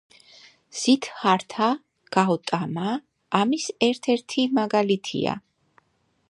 სიდჰართა გაუტამა ამის ერთ-ერთი მაგალითია.